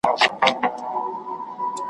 چي لارښود وي چي ښوونکي استادان وي `